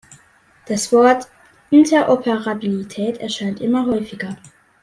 Das Wort "Interoperabilität" erscheint immer häufiger.